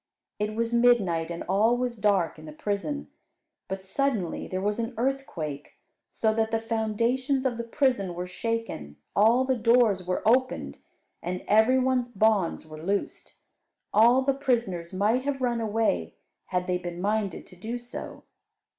It was midnight, and all was dark in the prison. But suddenly there was an earthquake; so that the foundations of the prison were shaken, all the doors were opened, and every one's bonds were loosed. All the prisoners might have run away had they been minded to do so.